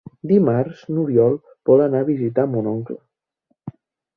Dimarts n'Oriol vol anar a visitar mon oncle.